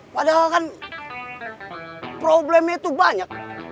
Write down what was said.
padahal kan problemnya itu banyak